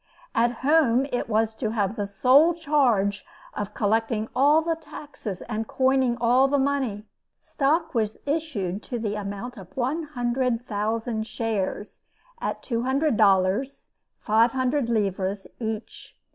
At home, it was to have the sole charge of collecting all the taxes and coining all the money. Stock was issued to the amount of one hundred thousand shares, at $200 (five hundred livres) each.